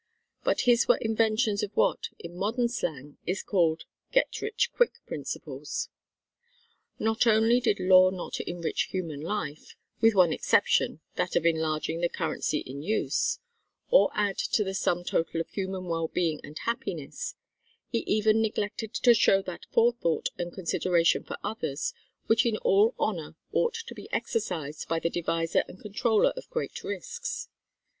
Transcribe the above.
But his were inventions of what, in modern slang, is called "get rich quick" principles. Not only did Law not enrich human life with one exception, that of enlarging the currency in use or add to the sum total of human well being and happiness; he even neglected to show that forethought and consideration for others which in all honour ought to be exercised by the deviser and controller of great risks.